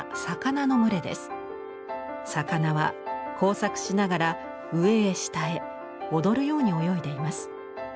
魚は交錯しながら上へ下へ踊るように泳いでいます。